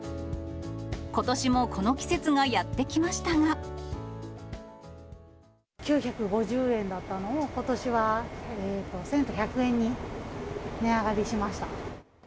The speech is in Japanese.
ことしもこの季節がやって来まし９５０円だったのを、ことしは１１００円に値上がりしました。